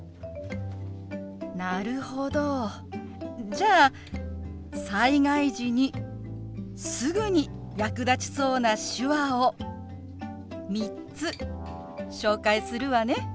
なるほどじゃあ災害時にすぐに役立ちそうな手話を３つ紹介するわね。